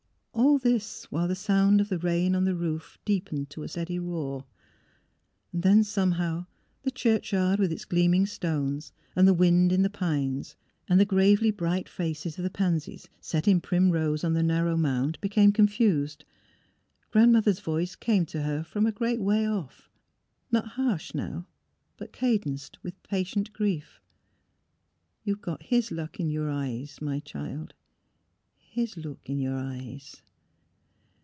... All this, while the sound of the rain on the roof deepened to a steady roar. Then, somehow, the churchyard with its gleaming stones, and the wind in the pines and the gravely bright faces of the pansies, set in prim rows on the narrow mound, became confused; Grandmother's voice came to her from a great way off — not harsh now, but cadenced with patient grief —" You've got his look in your eyes, child — his look in your eyes."